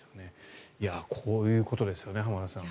こういうことですよね浜田さん。